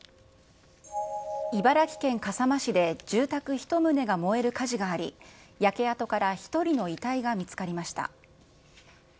茨城県笠間市で住宅１棟が燃える火事があり、焼け跡から１人の遺体が見つかりました。